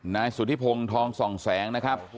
นายสุธิพงศ์ทองส่องแสงนะครับ